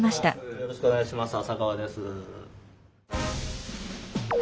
よろしくお願いします淺川です。